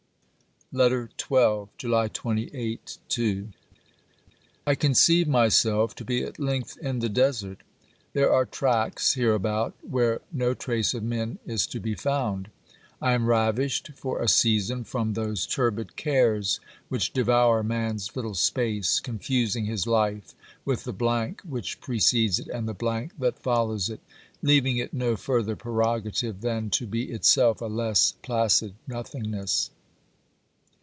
LETTER XII July 28 (II). I conceive myself to be at length in the desert. There are tracts hereabouts where no trace of men is to be found. I am ravished for a season from those turbid cares which devour man's little space, confusing his life with the blank which precedes it and the blank that follows it, leaving it no further prerogative than to be itself a less placid nothingness.